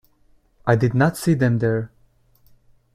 I did not see them there.